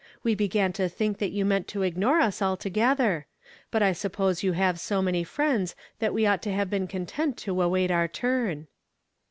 We began to think that you meant to ignore us altogether; but T suppose you have so many friends that we ought to have been content to await our turn."